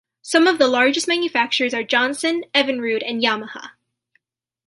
Some of the largest manufacturers are Johnson, Evinrude, and Yamaha.